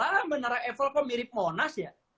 wah menara eiffel kok mirip monas ya